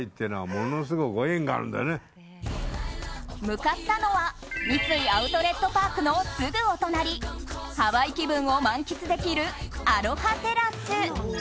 向かったのは三井アウトレットパークのすぐお隣ハワイ気分を満喫できるアロハテラス。